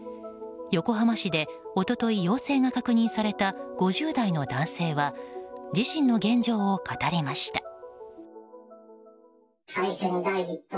横浜市で一昨日陽性が確認された５０代の男性は自身の現状を語りました。